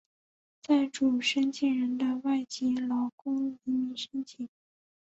在主申请人的外籍劳工移民申请。